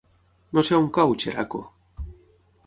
No sé on cau Xeraco.